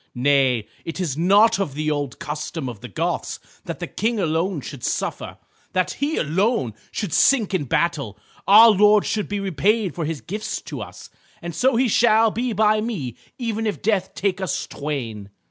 Nay, it is not of the old custom of the Goths that the King alone should suffer, that he alone should sink in battle. Our lord should be repaid for his gifts to us, and so he shall be by me even if death take us twain."